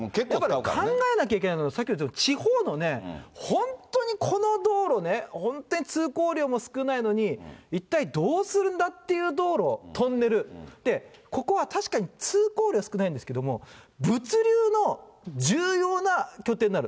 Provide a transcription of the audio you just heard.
考えなきゃいけないのは、地方の本当にこの道路ね、本当に通行量も少ないのに、一体どうするんだっていう道路、トンネル、ここは確かに通行量、少ないんですけども、物流の重要な拠点になる。